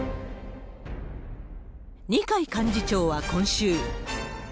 二階幹事長は今週。